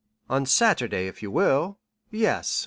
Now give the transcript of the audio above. "On Saturday, if you will—Yes.